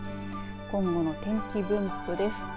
今後の天気分布です。